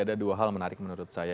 ada dua hal menarik menurut saya